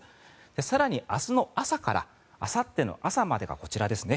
更に、明日の朝からあさっての朝までがこちらですね